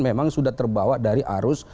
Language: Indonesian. memang sudah terbawa dari arus